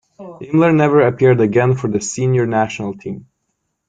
Imler never appeared again for the senior national team.